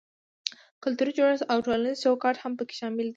کلتوري جوړښت او ټولنیز چوکاټ هم پکې شامل دي.